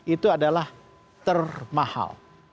itu adalah termahal